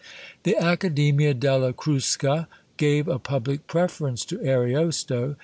The Accademia della Crusca gave a public preference to Ariosto.